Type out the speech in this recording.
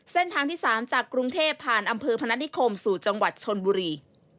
เส้นทางที่๓จากกรุงเทพผ่านอำเภอพนัฐนิคมสู่จังหวัดชนบุรี